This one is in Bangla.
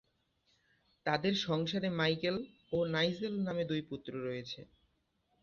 তাদের সংসারে ‘মাইকেল’ ও ‘নাইজেল’ নামে দুই পুত্র রয়েছে।